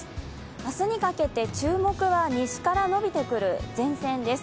明日にかけて注目は西から伸びてくる前線です。